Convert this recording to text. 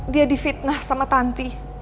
dia difitnah sama tanti